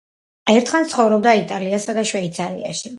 ერთხანს ცხოვრობდა იტალიასა და შვეიცარიაში.